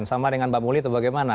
sama dengan mbak muly atau bagaimana